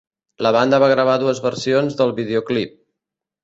La banda va gravar dues versions del videoclip.